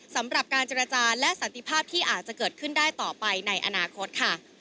สำหรับการเจรจาและสันติภาพที่อาจจะเกิดขึ้นได้ต่อไปในอนาคตค่ะ